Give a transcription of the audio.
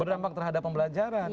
berdampak terhadap pembelajaran